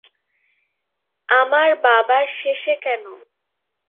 আমার বাবার শেষে কেন।